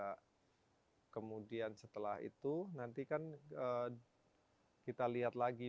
nah kemudian setelah itu nanti kan kita lihat lagi